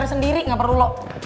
gue sendiri gak perlu lu